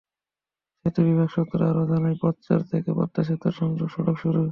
সেতু বিভাগ সূত্র আরও জানায়, পাচ্চর থেকে পদ্মা সেতুর সংযোগ সড়ক শুরু।